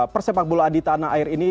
persepak bolaan di tanah air ini